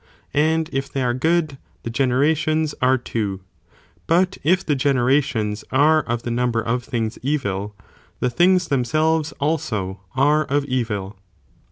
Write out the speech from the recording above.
and if they are itself be good good, the generations are too ;3 but if the genera % ὅ5 4" tions are of the number of things evil, the things themselves also are of evil.